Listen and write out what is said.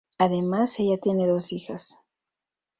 Además, ella tiene dos hijas.